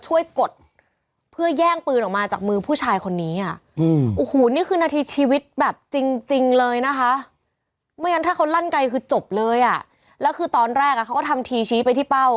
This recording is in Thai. วันแรกเขาก็ทำทีชี้ไปที่เป้า